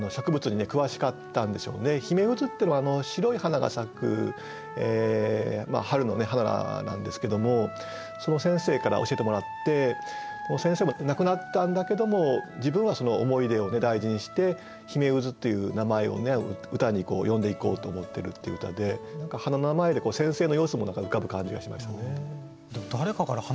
ヒメウズっていうのは白い花が咲く春の花なんですけどもその先生から教えてもらって先生も亡くなったんだけども自分はその思い出を大事にしてヒメウズという名前を歌に詠んでいこうと思ってるっていう歌で何か花の名前で先生の様子も浮かぶ感じがしますね。